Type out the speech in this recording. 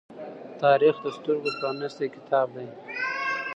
تاریخ د سترگو پرانیستی کتاب دی.